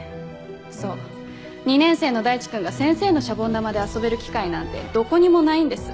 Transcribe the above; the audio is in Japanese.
そう２年生の大地君が先生のシャボン玉で遊べる機会なんてどこにもないんです。